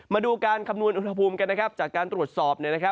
มาดูการคำนวณอุณหภูมิกันนะครับจากการตรวจสอบ